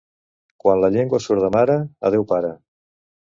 Quan la llengua surt de mare, adeu pare!